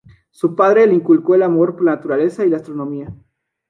Su padre le inculcó el amor por la naturaleza y la astronomía.